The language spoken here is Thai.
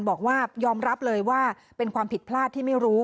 บอกว่ายอมรับเลยว่าเป็นความผิดพลาดที่ไม่รู้